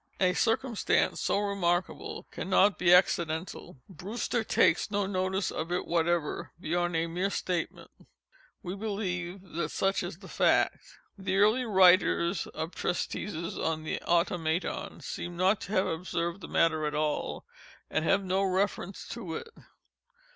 A circumstance so remarkable cannot be accidental. Brewster takes no notice of it whatever beyond a mere statement, we believe, that such is the fact. The early writers of treatises on the Automaton, seem not to have observed the matter at all, and have no reference to it.